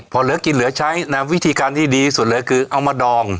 พอเหลือกินเหลือใช้นะวิธีการที่ดีสุดเลยคือเอามาดอง